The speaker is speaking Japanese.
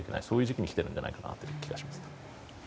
そういう時期に来ているんじゃないかという気がします。